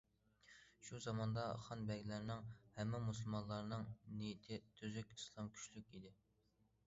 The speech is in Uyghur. شۇ زاماندا خان بەگلەرنىڭ، ھەممە مۇسۇلمانلارنىڭ نىيىتى تۈزۈك، ئىسلام كۈچلۈك ئىدى.